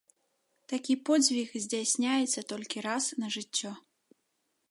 Такі подзвіг здзяйсняецца толькі раз на жыццё.